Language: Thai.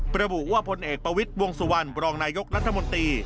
ระบุว่าพลเอกประวิทย์วงสุวรรณบรองนายกรัฐมนตรี